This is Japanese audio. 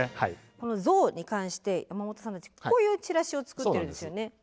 このゾウに関して山本さんたちこういうチラシを作ってるんですよね。